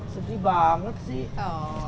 setiap banget sih